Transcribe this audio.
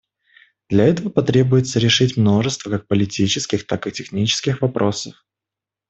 Для этого потребуется решить множество как политических, так и технических вопросов.